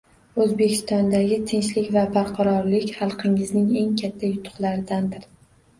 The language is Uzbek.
O‘zbekistondagi tinchlik va barqarorlik xalqingizning eng katta yutuqlaridandir